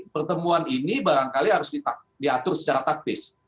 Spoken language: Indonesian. pertemuan ini barangkali harus diatur secara taktis